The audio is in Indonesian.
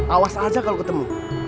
awas aja kalau ketemu